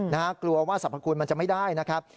กลัวว่าสรรพคุณมันจะไม่ได้นะครับ